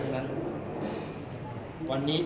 ฮอร์โมนถูกต้องไหม